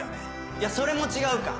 いやそれも違うか。